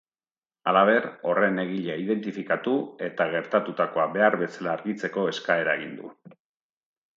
Halaber, horren egilea identifikatu eta gertatutakoa behar bezala argitzeko eskaera egin du.